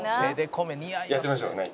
やってみましょうね。